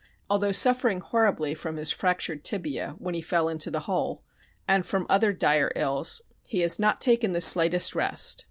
Although suffering horribly from his fractured tibia (when he fell into the "hole"), and from other dire ills, he has "not taken the slightest rest."